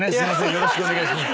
よろしくお願いします。